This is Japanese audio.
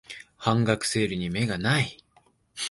半額セールに目がない